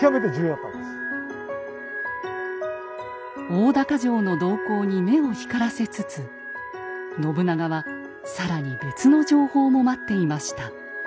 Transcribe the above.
大高城の動向に目を光らせつつ信長は更に別の情報も待っていました。